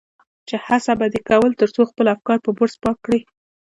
چې هڅه به دې کول تر څو خپل افکار په برس پاک کړي.